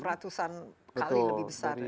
ya peratusan kali lebih besar